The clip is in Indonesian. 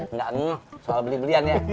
nggak nuh soal beli belian ya